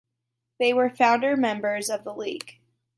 They were founder members of the league.